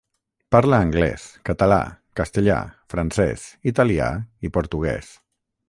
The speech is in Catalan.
Parla anglès, català, castellà, francès, italià i portuguès.